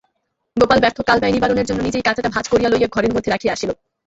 গোপাল ব্যর্থ কালব্যয় নিবারণের জন্য নিজেই কাঁথাটা ভাঁজ করিয়া লইয়া ঘরের মধ্যে রাখিয়া আসিল।